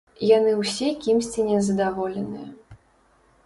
Яны ўсе кімсьці незадаволеныя.